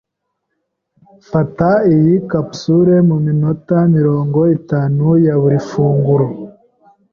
Fata iyi capsule muminota mirongo itatu ya buri funguro.